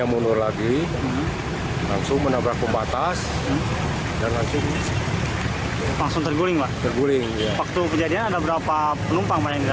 waktu kejadian ada berapa penumpang yang di dalam